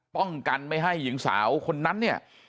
ป้องกันไม่ให้หญิงสาวคนนั้นเนี่ย